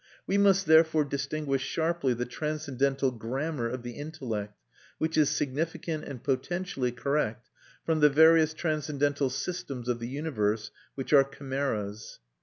We must therefore distinguish sharply the transcendental grammar of the intellect, which is significant and potentially correct, from the various transcendental systems of the universe, which are chimeras.